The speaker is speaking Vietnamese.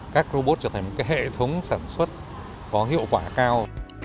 các robot trở thành một hệ thống sản xuất có hiệu quả cao